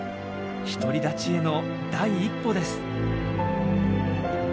独り立ちへの第一歩です。